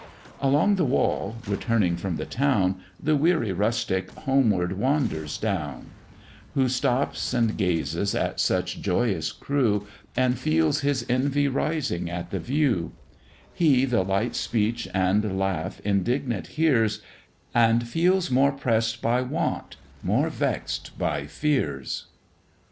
Along the wall, returning from the town, The weary rustic homeward wanders down: Who stops and gazes at such joyous crew, And feels his envy rising at the view; He the light speech and laugh indignant hears, And feels more press'd by want, more vex'd by fears.